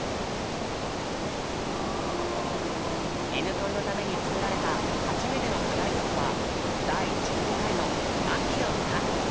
「Ｎコン」のために作られた初めての課題曲は第１５回の「秋の歌」。